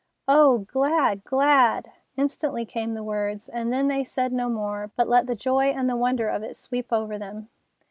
"Oh, glad, glad!" instantly came the words, and then they said no more, but let the joy and the wonder of it sweep over them.